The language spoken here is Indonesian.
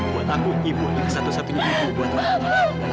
buat aku ibu adalah satu satunya ibu buat wangku